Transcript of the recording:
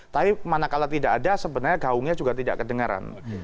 tapi manakala tidak ada sebenarnya gaungnya juga tidak kedengaran